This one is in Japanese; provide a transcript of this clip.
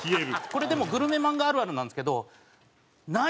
これでもグルメ漫画あるあるなんですけど「何？